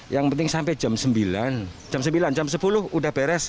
yang penting sampai jam sembilan jam sembilan jam sepuluh udah beres